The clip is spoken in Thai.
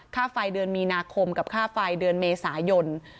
ค่าไฟเดือนมีนาคมกับค่าไฟเดือนเมษายน